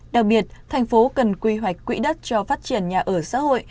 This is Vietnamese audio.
đặc biệt thành phố cần quy hoạch quỹ đất cho phát triển nhà ở xã hội